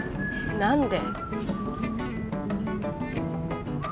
何で？